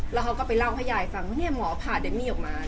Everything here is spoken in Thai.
แล้วเขาก็ไปเล่าให้ยายฟังว่าหมอผ่าเดมมี่ออกมา